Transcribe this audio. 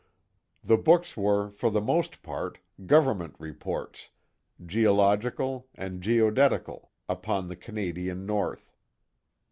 The books were, for the most part, government reports, geological, and geodetical, upon the Canadian North.